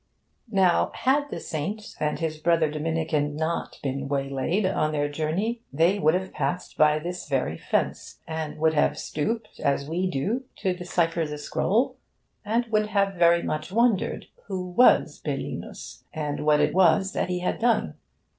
Now, had the Saint and his brother Dominican not been waylaid on their journey, they would have passed by this very fence, and would have stooped, as we do, to decipher the scroll, and would have very much wondered who was Bellinus, and what it was that he had done.